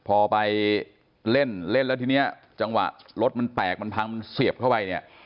พอไปเล่นแล้วทีนี้จังหวะรถมันแปลกมันพังมันเหยียบเข้าไป